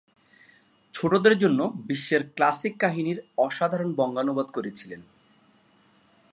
ছোটদের জন্য বিশ্বের ক্লাসিক কাহিনির অসাধারণ বঙ্গানুবাদ করেছিলেন।